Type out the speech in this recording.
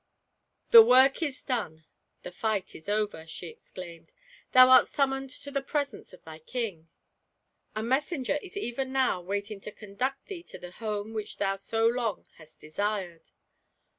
"The work is done — the fight is over!" she ex claimed; thou art summoned to the presence of thy King! A messenger is even now waiting to conduct thee to the home which thou so long hast desired